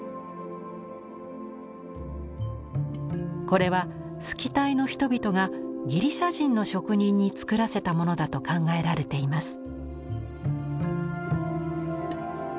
これはスキタイの人々がギリシャ人の職人に作らせたものだと考えられています。